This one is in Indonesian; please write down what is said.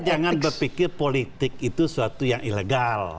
jangan berpikir politik itu suatu yang ilegal